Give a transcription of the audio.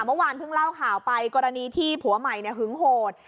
เมื่อวานเพิ่งเล่าข่าวไปกรณีที่ผัวใหม่หึงโหด